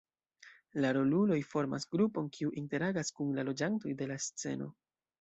La roluloj formas grupon kiu interagas kun la loĝantoj de la sceno.